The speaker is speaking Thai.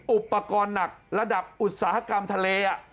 อุปกรณ์หนักระดับอุตสาหกรรมทะเล